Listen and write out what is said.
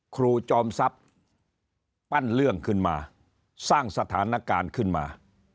ครูจอมทรัพย์ปั้นเรื่องขึ้นมาสร้างสถานการณ์ขึ้นมา